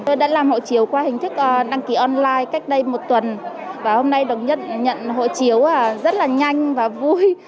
tôi đã làm hộ chiếu qua hình thức đăng ký online cách đây một tuần và hôm nay được nhận hộ chiếu rất là nhanh và vui